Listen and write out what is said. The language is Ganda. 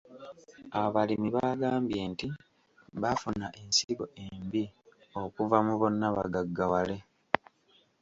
Abalimi baagambye nti baafuna ensigo embi okuva mu bonnabagaggawale.